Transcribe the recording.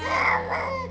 gak enak denger juga